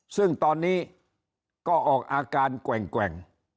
ซึ่งตอนนี้ก็ออกอาการแกว่ง